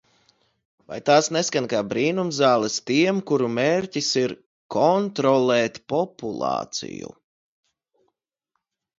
Vai tās neskan kā brīnumzāles tiem, kuru mērķis ir kontrolēt populāciju?